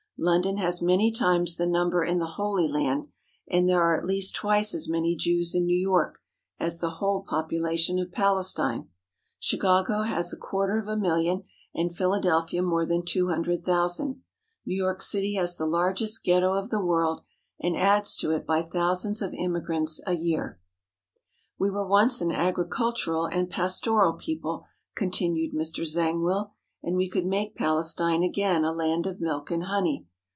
London has many times the number in the Holy Land, and there are at least twice as many Jews in New York as the whole population of Palestine. Chicago has a 198 THE ZIONIST MOVEMENT quarter of a million, and Philadelphia more than two hundred thousand. New York City has the largest Ghetto of the world, and adds to it by thousands of im migrants a year. "We were once an agricultural and pastoral people," continued Mr. Zangwill, "and we could make Palestine again a land of milk and honey.